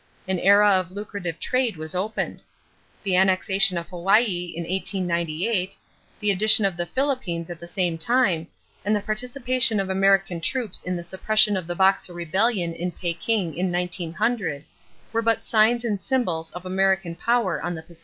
An era of lucrative trade was opened. The annexation of Hawaii in 1898, the addition of the Philippines at the same time, and the participation of American troops in the suppression of the Boxer rebellion in Peking in 1900, were but signs and symbols of American power on the Pacific.